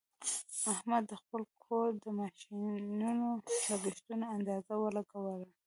احمد د خپل کور د میاشتنیو لګښتونو اندازه ولګوله.